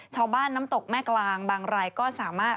ชาวบ้านน้ำตกแม่กลางบางรายก็สามารถ